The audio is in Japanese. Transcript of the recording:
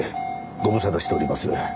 ご無沙汰しております。